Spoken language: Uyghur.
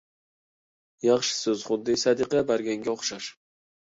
ياخشى سۆز خۇددى سەدىقە بەرگەنگە ئوخشاش.